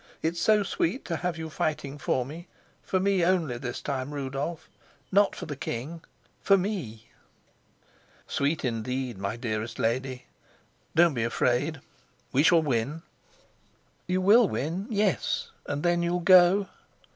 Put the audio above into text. It's so sweet to have you fighting for me, for me only this time, Rudolf not for the king, for me!" "Sweet indeed, my dearest lady. Don't be afraid: we shall win." "You will win, yes. And then you'll go?"